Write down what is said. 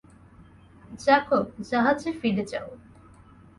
Jacob, জাহাজে ফিরে যাও।